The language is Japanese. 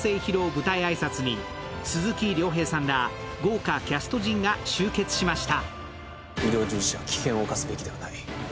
舞台挨拶に鈴木亮平さんら豪華キャスト陣が集結しました。